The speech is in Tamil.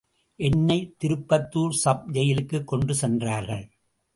என்னை திருப்பத்துர் சப் ஜெயிலுக்குக் கொண்டு சென்றார்கள்.